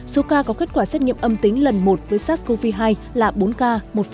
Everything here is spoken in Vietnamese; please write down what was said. số ca có kết quả xét nghiệm âm tính lần một với sars cov hai là bốn ca một